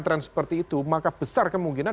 trend seperti itu maka besar kemungkinan